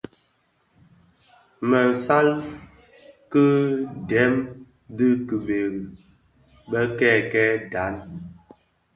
Më isal ki dèm dhi kibëri bè kèkèè ndhaň.